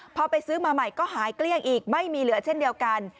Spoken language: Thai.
พอไปซื้อมาใหม่ก็หายเกลี้ยงอีกไม่มีเหลือเช่นเดียวกัน